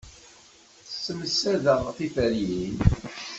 Ssemsadeɣ tiferyin.